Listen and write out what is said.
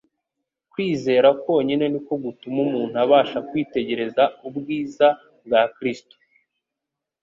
Kwizera konyine niko gutuma umuntu abasha kwitegereza ubwiza bwa Kristo.